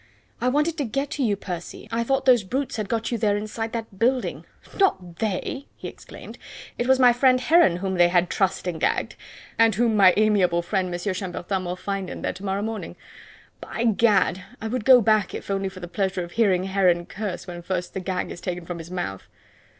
"I wanted to get to you, Percy. I thought those brutes had got you there inside that building." "Not they!" he exclaimed. "It was my friend Heron whom they had trussed and gagged, and whom my amiable friend M. Chambertin will find in there to morrow morning. By Gad! I would go back if only for the pleasure of hearing Heron curse when first the gag is taken from his mouth."